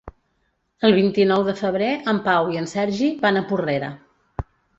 El vint-i-nou de febrer en Pau i en Sergi van a Porrera.